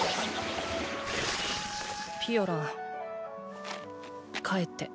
ピオラン帰って。